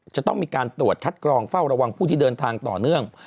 จะต้องมีการตรวจคัดกรองเฝ้าระวังผู้ที่เดินทางต่อเนื่อง